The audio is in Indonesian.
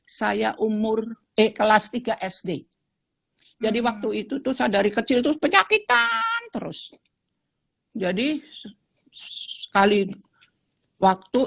ini saya umur kelas tiga sd jadi waktu itu aw brigitus penyakitkan terus jadi kali waktu